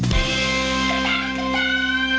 บ๊ายบาย